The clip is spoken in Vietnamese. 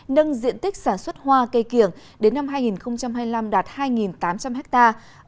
nâng diện tích sản xuất hoa cây kiểng đến năm hai nghìn hai mươi năm đạt hai tám trăm linh hectare